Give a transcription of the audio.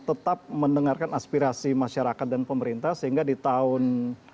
tetap mendengarkan aspirasi masyarakat dan pemerintah sehingga di tahun